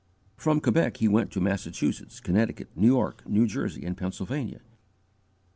From Quebec he went to Massachusetts, Connecticut, New York, New Jersey, and Pennsylvania.